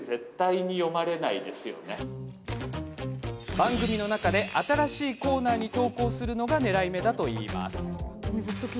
番組の中で新しいコーナーに投稿するのがねらい目だといいます。